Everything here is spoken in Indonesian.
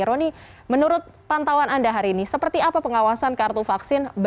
roni menurut pantauan anda hari ini seperti apa pengawasan kartu vaksin